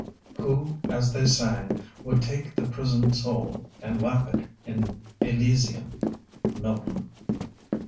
"Who, as they sang, would take the prisoned soul, And lap it in Elysium." MILTON.